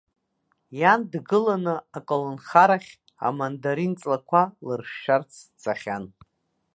Иан дгыланы аколнхарахь амандарин-ҵлақәа лыршәшәарц дцахьан.